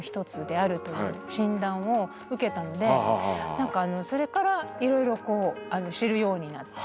なんかそれからいろいろ知るようになって。